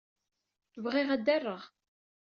Bɣiɣ ad rreɣ.